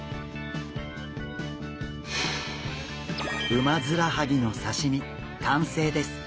ウマヅラハギの刺身かんせいです。